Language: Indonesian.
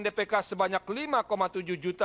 dpk sebanyak lima tujuh juta